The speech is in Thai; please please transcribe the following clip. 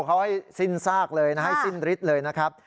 เขาให้สิ้นซากเลยนะฮะให้สิ้นฤทธิ์เลยนะครับ